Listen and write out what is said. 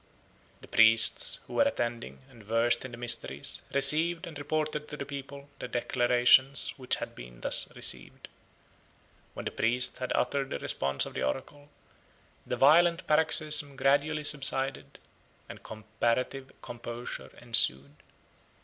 The priests, who were attending, and versed in the mysteries, received, and reported to the people, the declarations which had been thus received. When the priest had uttered the response of the oracle, the violent paroxysm gradually subsided, and comparative composure ensued.